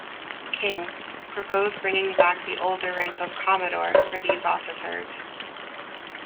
King, proposed bringing back the older rank of "commodore" for these officers.